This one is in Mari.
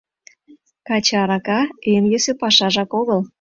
Каче арака эн йӧсӧ пашажак огыл.